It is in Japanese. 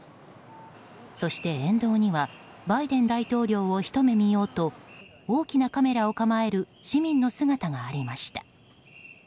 そして、沿道にはバイデン大統領をひと目見ようと大きなカメラを構える市民の姿がありました。